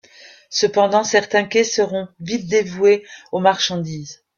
Cependant certains quais seront vite dévoués aux marchandises.